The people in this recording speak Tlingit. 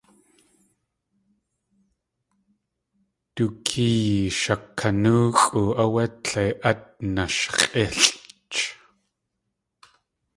Du keey shakanóoxʼu áwé tlei át nashx̲ʼílʼch.